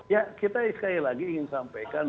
ya kita sekali lagi ingin sampaikan